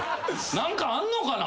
何かあんのかな思てた。